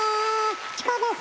チコです。